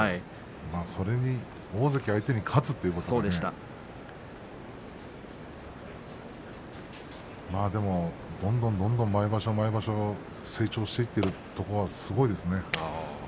それに大関相手に勝つということですからどんどん毎場所毎場所成長していっているところはすごいですね。